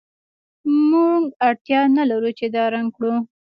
موږ اړتیا نلرو چې دا رنګ کړو